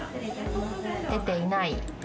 出ていない。